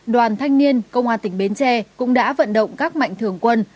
đoàn thanh niên công an tỉnh bến tre cũng đã vận động các mạnh thường quân